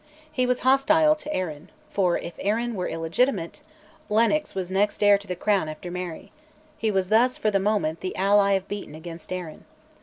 He was hostile to Arran; for, if Arran were illegitimate, Lennox was next heir to the crown after Mary: he was thus, for the moment, the ally of Beaton against Arran.